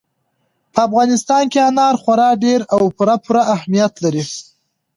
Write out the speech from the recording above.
په افغانستان کې انار خورا ډېر او پوره پوره اهمیت لري.